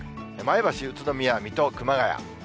前橋、宇都宮、水戸、熊谷。